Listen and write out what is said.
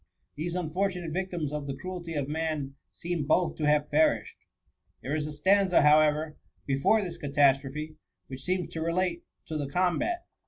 These unfortunate victims of the cruelty of man seem both to have perished. There is a stanza, however, before this catastrophe, which seems to relate to the combat.